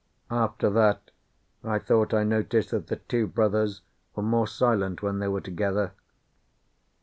After that I thought I noticed that the two brothers were more silent when they were together.